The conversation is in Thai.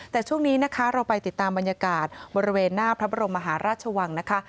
แต่ช่วงนี้นะคะเราไปติดตามบรรยากาศบริเวณหน้าพระบรมมหาราชวังนะคะ